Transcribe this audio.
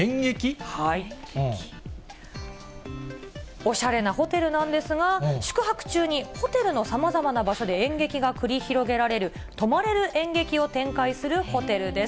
おしゃれなホテルなんですが、宿泊中に、ホテルのさまざまな場所で演劇が繰り広げられる、泊まれる演劇を展開するホテルです。